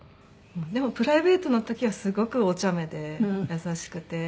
でもプライベートの時はすごくおちゃめで優しくて。